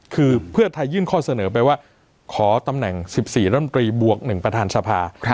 คือเพื่อไทยยื่นข้อเสนอไปว่าขอตำแหน่ง๑๔รัฐมนตรีบวก๑ประธานสภา